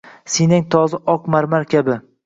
Siynang toza oq marmar kabi